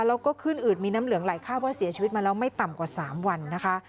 แล้วก็ขึ้นอืดมีน้ำเหลืองไหลคาดว่าเสียชีวิตมาแล้วไม่ต่ำกว่า๓วันนะคะ